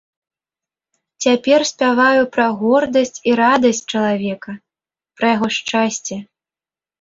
Цяпер спяваю пра гордасць і радасць чалавека, пра яго шчасце.